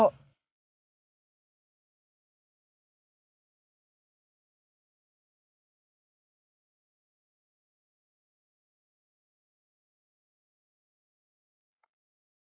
kalau gak terus apa ra